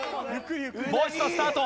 もう一度スタート。